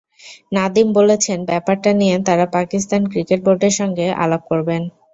নাদিম বলেছেন, ব্যাপারটা নিয়ে তারা পাকিস্তান ক্রিকেট বোর্ডের সঙ্গে আলাপ করবেন।